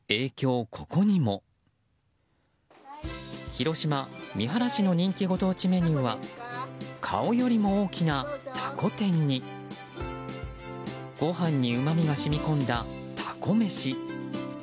広島県三原市の人気ご当地メニューは顔よりも大きな、たこ天にご飯にうまみが染み込んだたこ飯。